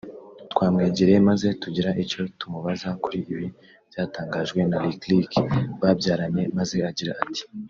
twamwegereye maze tugira icyo tumubaza kuri ibi byatangajwe na Lick Lick babyaranye maze agira ati